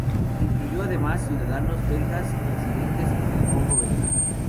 Incluyó además a ciudadanos belgas residentes en el Congo Belga.